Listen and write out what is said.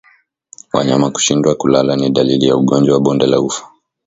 Wanyama kushindwa kula ni dalili ya ugonjwa wa bonde la ufa